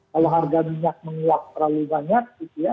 kalau harga minyak menguap terlalu banyak